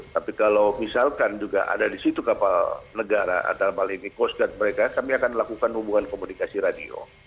tapi kalau misalkan juga ada disitu kapal negara antara maling coast guard mereka kami akan melakukan hubungan komunikasi radio